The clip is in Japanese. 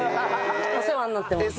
お世話になってます。